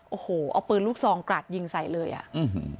โอ้โหเอาปืนลูกซองกราดยิงใส่เลยอ่ะอืม